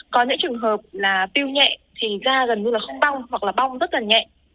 có những trường hợp là tiêu nhẹ thì da gần như là không bong hoặc là bong rất là nhẹ